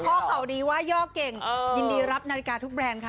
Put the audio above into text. ข้อข่าวดีว่าย่อเก่งยินดีรับนาฬิกาทุกแบรนด์ค่ะ